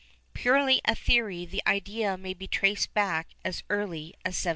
Purely as a theory the idea may be traced back as early as 1791.